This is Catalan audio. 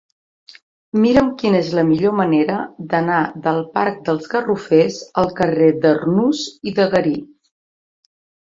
Mira'm quina és la millor manera d'anar del parc dels Garrofers al carrer d'Arnús i de Garí.